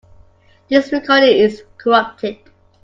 This recording is corrupted.